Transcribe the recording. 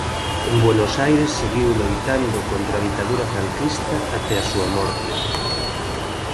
En Buenos Aires seguiu loitando contra a ditadura franquista até a súa morte.